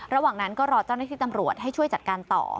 ระหว่างนั้นก็รอเจ้าหน้าที่ตำรวจให้ช่วยจัดการต่อ